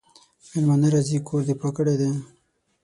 مېلمانه راځي کور دي پاک کړی دی؟